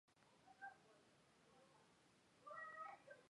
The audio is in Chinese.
业务在香港经营从事提供环境卫生服务及航空餐饮支持服务。